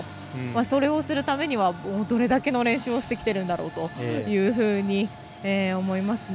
それをするためにはどれだけの練習をしてきているんだろうと思いますね。